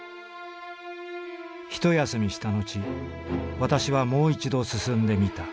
一休みしたのち私はもう一度進んでみた。